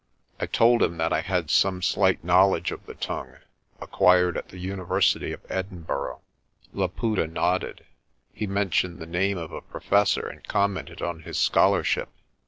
I told him that I had some slight knowledge of the tongue, acquired at the university of Edinburgh. Laputa nodded. He mentioned the name of a professor and commented on his scholarship.